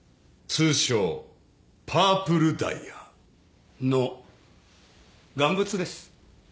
通称パープルダイヤ。の贋物です。